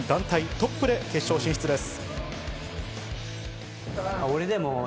トップで決勝進出です。